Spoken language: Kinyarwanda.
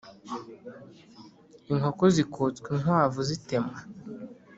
Inkoko zikotsw'inkwavu zitemwa